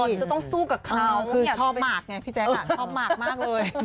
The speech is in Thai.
จะต้องสู้กับเขาคืออยากชอบหมากไงพี่แจ๊คชอบหมากเลย